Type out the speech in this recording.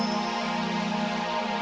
nggak ada yang bisa dikepung